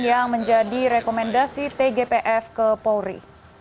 yang menjadi rekomendasi tgpf ke polri